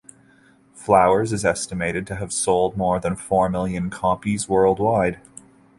"Flowers" is estimated to have sold more than four million copies worldwide.